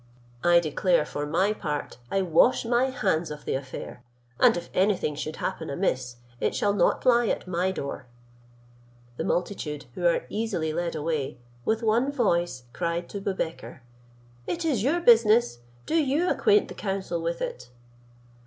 I declare for my part I wash my hands of the affair, and if any thing should happen amiss, it shall not lie at my door." The multitude, who are easily led away, with one voice cried to Boubekir, "It is your business, do you acquaint the council with it."